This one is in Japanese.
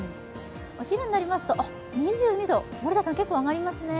お昼になりますと、２２度、結構上がりますね。